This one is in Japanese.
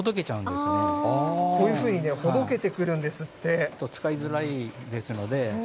こういうふうにほどけてくる使いづらいですので。